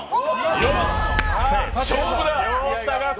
よし、勝負だ！